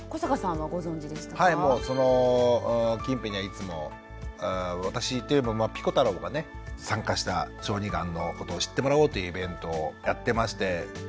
はいもうその近辺にはいつも私っていうよりもピコ太郎がね参加した小児がんのことを知ってもらおうというイベントをやってまして。